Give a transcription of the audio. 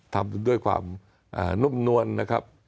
ทำด้วยความนุ่มนวลนะครับ